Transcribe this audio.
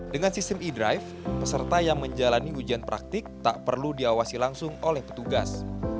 dengan sistem e drive peserta yang menjalani ujian praktik tak perlu diawasi langsung oleh petugas